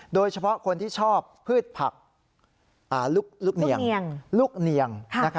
โดยเฉพาะคนที่ชอบพืชผักลูกเนียง